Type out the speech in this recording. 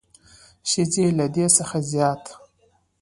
ښځې له دې څخه زیات